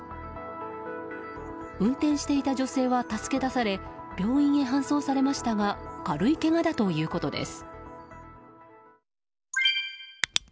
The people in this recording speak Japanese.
運転していた女性は助け出され病院へ搬送されましたが軽いけがだということです。